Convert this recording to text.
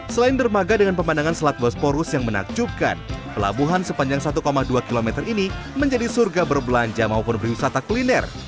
selain dermaga dengan pemandangan selat bosporus yang menakjubkan pelabuhan sepanjang satu dua km ini menjadi surga berbelanja maupun berwisata kuliner